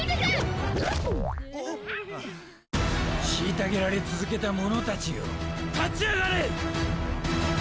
虐げられ続けた者たちよ立ち上がれ！